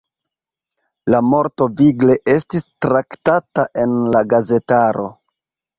La morto vigle estis traktata en la gazetaro.